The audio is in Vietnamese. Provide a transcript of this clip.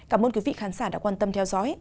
cảm ơn quý vị khán giả đã quan tâm theo dõi